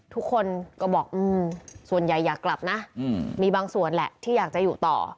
ทุกคนก็บอกส่วนใหญ่อยากกลับนะมีบางส่วนแหละที่อยากจะอยู่ต่อ